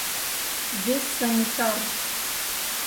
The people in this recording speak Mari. Вес санитар.